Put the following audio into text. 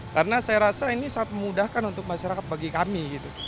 karena saya rasa ini sangat memudahkan untuk masyarakat bagi kami